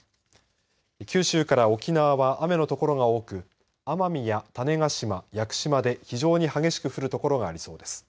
九州から沖縄は雨の所が多く奄美や種子島、屋久島で非常に激しく降る所がありそうです。